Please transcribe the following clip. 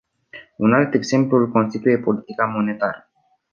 Un alt exemplu îl constituie politica monetară.